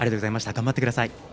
頑張ってください。